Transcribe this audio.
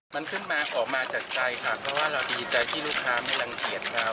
มันขึ้นมาออกมาจากใจค่ะเพราะว่าเราดีใจที่ลูกค้าไม่รังเกียจครับ